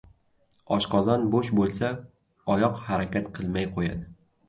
• Oshqozon bo‘sh bo‘lsa, oyoq harakat qilmay qo‘yadi.